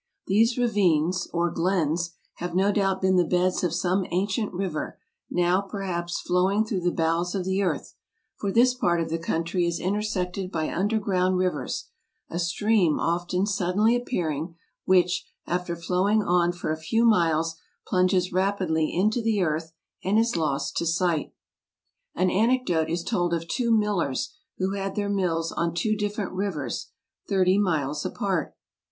These ravines, or glens, have no doubt been the beds of some ancient river, now, perhaps, flowing through the bowels of the earth ; for this part of the country is intersected by underground rivers, a stream often suddenly appearing, which, after flowing on for a few miles, plunges rapidly into the earth and is lost to sight. An anecdote is told of two millers who had their mills on two different rivers, thirty miles apart.